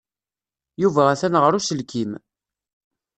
Yuba atan ɣer uselkim.